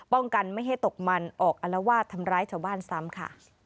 กันไม่ให้ตกมันออกอลวาดทำร้ายชาวบ้านซ้ำค่ะ